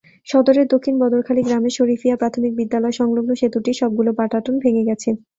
সদরের দক্ষিণ বদরখালী গ্রামের শরিফিয়া প্রাথমিক বিদ্যালয়সংলগ্ন সেতুটির সবগুলো পাটাতন ভেঙে গেছে।